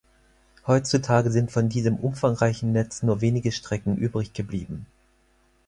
Heutzutage sind von diesem umfangreichen Netz nur wenige Strecken übrig geblieben.